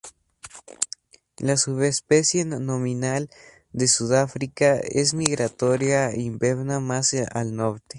La subespecie nominal de Sudáfrica es migratoria e inverna más al norte.